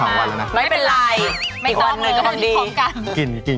เขาก็จำเด็กชายขุนคนนั้นได้ใช่ไหมได้ได้ครับ